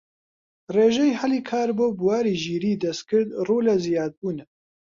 ڕێژەی هەلی کار بۆ بواری ژیریی دەستکرد ڕوو لە زیادبوونە